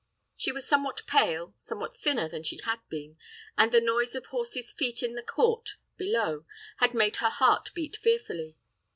She was somewhat pale, somewhat thinner than she had been, and the noise of horses' feet in the court below had made her heart beat fearfully.